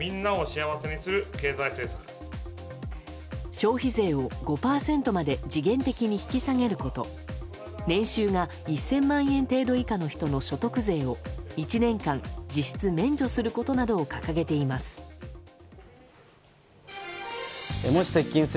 消費税を５％まで時限的に引き下げること年収が１０００万円程度以下の人の所得税を１年間、実質免除することなどを掲げています。